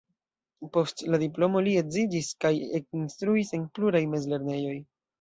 Post la diplomo li edziĝis kaj ekinstruis en pluraj mezlernejoj.